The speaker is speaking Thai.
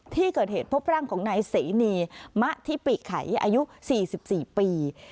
ที่เกิดเหตุพบร่างของนายสีเนียมะที่ปีไขอายุสี่สิบสี่ปี